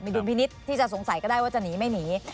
ดุลพินิษฐ์ที่จะสงสัยก็ได้ว่าจะหนีไม่หนี